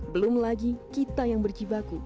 belum lagi kita yang berjibaku